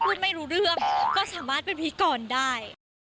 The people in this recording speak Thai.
พูดไม่รู้เรื่องก็สามารถเป็นพิธีกรได้